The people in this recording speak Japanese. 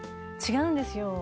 違うんですよ。